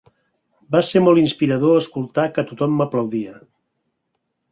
Va ser molt inspirador escoltar que tothom m"aplaudia.